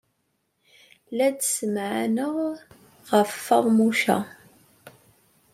La d-ssemɛaneɣ ɣef Feḍmuca.